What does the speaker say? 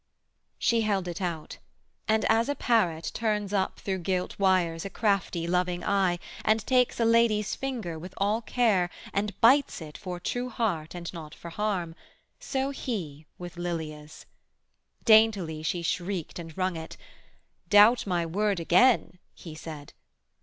She held it out; and as a parrot turns Up through gilt wires a crafty loving eye, And takes a lady's finger with all care, And bites it for true heart and not for harm, So he with Lilia's. Daintily she shrieked And wrung it. 'Doubt my word again!' he said.